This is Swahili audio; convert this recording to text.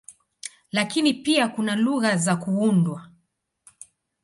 Lakini pia kuna lugha za kuundwa.